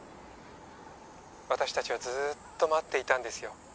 「私たちはずっと待っていたんですよ」